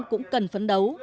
cũng cần phấn đấu